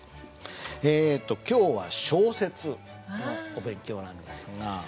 えっと今日は小説のお勉強なんですが。